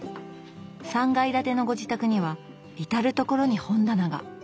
３階建てのご自宅には至る所に本棚が。